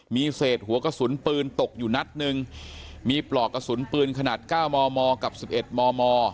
มีเศษหัวกระสุนปืนตกอยู่นัดหนึ่งมีปลอกกระสุนปืนขนาด๙มมกับ๑๑มม